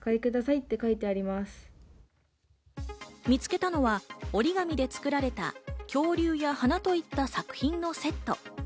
見つけたのは折り紙で作られた恐竜や花といった作品のセット。